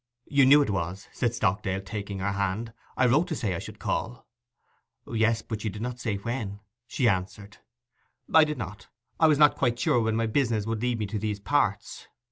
'You knew it was,' said Stockdale, taking her hand. 'I wrote to say I should call.' 'Yes, but you did not say when,' she answered. 'I did not. I was not quite sure when my business would lead me to these parts.